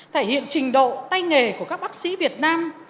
thể hiện trình độ tay nghề của các bác sĩ việt nam